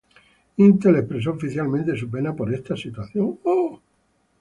Intel expreso oficialmente su pena por esta situación.